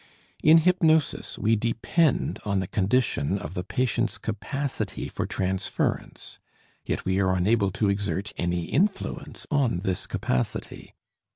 In hypnosis we depend on the condition of the patient's capacity for transference, yet we are unable to exert any influence on this capacity.